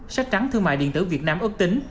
sách trắng thương mại điện tử việt nam ước tính